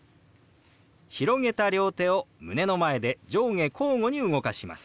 広げた両手を胸の前で上下交互に動かします。